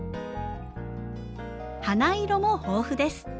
花色も豊富です。